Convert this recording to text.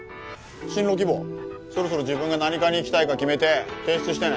進路希望そろそろ自分が何科に行きたいか決めて提出してね。